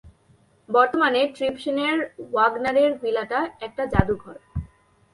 বর্তমানে, ট্রিবশেনের ওয়াগ্নারের ভিলাটা একটা জাদুঘর।